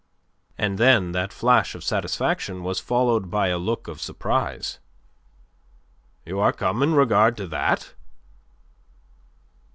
And then that flash of satisfaction was followed by a look of surprise. "You are come in regard to that?"